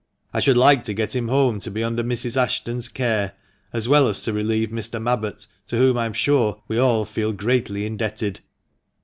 I should like to get him home, to be under Mrs. Ashton's care, as well as to relieve Mr. Mabbott, to whom, I am sure, we all feel greatly indebted."